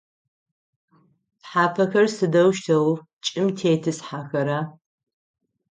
Тхьапэхэр сыдэущтэу чӏым тетӏысхьэхэра?